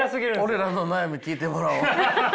俺らの悩み聞いてもらおう。